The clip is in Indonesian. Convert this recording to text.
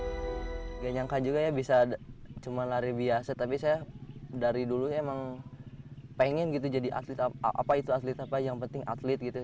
tidak nyangka juga ya bisa cuma lari biasa tapi saya dari dulu emang pengen gitu jadi atlet apa itu atlet apa yang penting atlet gitu